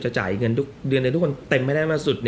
จะจ่ายเงินเดือนได้ทุกคนเต็มมาเลย